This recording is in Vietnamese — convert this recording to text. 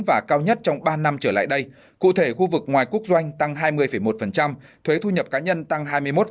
và cao nhất trong ba năm trở lại đây cụ thể khu vực ngoài quốc doanh tăng hai mươi một thuế thu nhập cá nhân tăng hai mươi một